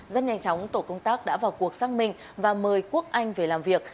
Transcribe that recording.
rất nhanh chóng tổ công tác đã vào cuộc xác minh và mời quốc anh về làm việc